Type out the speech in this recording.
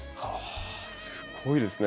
あすごいですね。